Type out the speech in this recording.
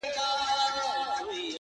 زموږ د كلي څخه ربه ښكلا كډه كړې؛